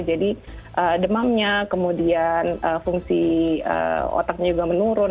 jadi demamnya kemudian fungsi otaknya juga menurun